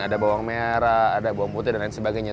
ada bawang merah ada bawang putih dan lain sebagainya